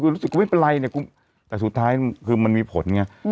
รู้สึกว่าไม่เป็นไรแต่สุดท้ายคือมันมีผล